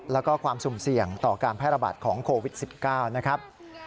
แล้วก็ความสุ่มเสี่ยงต่อการแพร่ระบาดของโควิด๑๙นะครับ